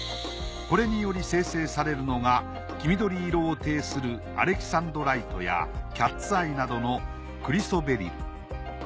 これにより生成されるのが黄緑色を呈するアレキサンドライトやキャッツアイなどのクリソベリル。